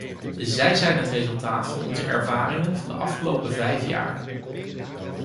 Zij zijn het resultaat van onze ervaringen van de afgelopen vijf jaar.